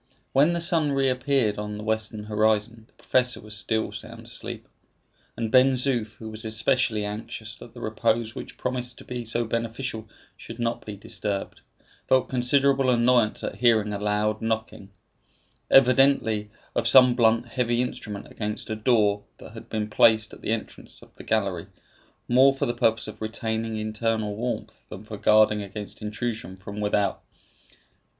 When the sun reappeared on the western horizon the professor was still sound asleep; and Ben Zoof, who was especially anxious that the repose which promised to be so beneficial should not be disturbed, felt considerable annoyance at hearing a loud knocking, evidently of some blunt heavy instrument against a door that had been placed at the entrance of the gallery, more for the purpose of retaining internal warmth than for guarding against intrusion from without.